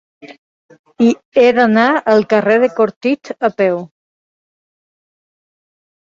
He d'anar al carrer de Cortit a peu.